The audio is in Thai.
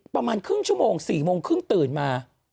ประมาณครึ่งชั่วโมง๔โมงครึ่งตื่นมา